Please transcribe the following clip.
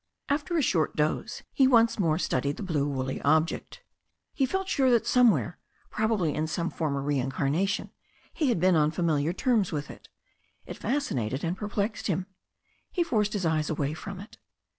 After a short doze he once more studied the blue woolly object. He felt sure that somewhere, probably in some for mer reincarnation, he had been on familiar terms with it. It fascinated and perplexed him. He forced his eyes away from it.